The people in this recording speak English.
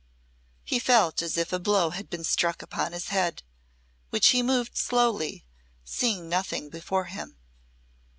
He felt as if a blow had been struck upon his head, which he moved slowly, seeing nothing before him.